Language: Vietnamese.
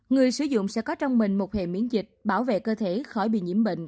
người sử dụng sẽ có trong mình một hệ miễn dịch bảo vệ cơ thể khỏi bị nhiễm bệnh